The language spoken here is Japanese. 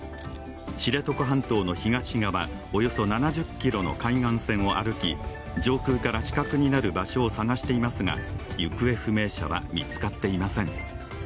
知床半島の東側、およそ７０ｋｍの海岸線を歩き上空から死角になる場所を捜していますが行方不明者は見つかっていません。